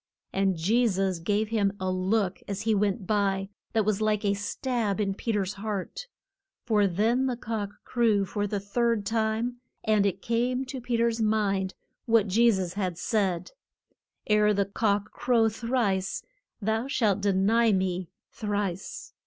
And Je sus gave him a look as he went by, that was like a stab in Pe ter's heart. For then the cock crew for the third time, and it came to Pe ter's mind what Je sus had said, Ere the cock crow thrice, thou shalt de ny me thrice.